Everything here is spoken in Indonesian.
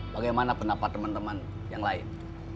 bagaimana pendapat teman teman yang lain